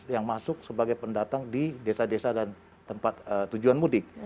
yang masuk sebagai pendatang di desa desa dan tempat tujuan mudik